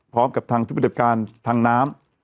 พร้อมกับทางผู้ปฏิบัติการทางน้ำ